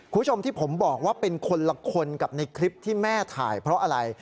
คุณผู้ชมที่ผมบอกว่าเป็นคนละคนกับในคลิปที่แม่ถ่ายเพราะอะไร